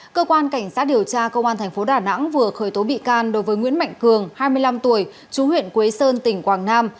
cơ quan cảnh sát điều tra công an tp đà nẵng vừa khởi tố bị can đối với nguyễn mạnh cường hai mươi năm tuổi chú huyện quế sơn tỉnh quảng nam